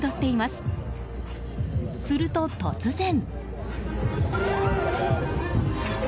すると、突然。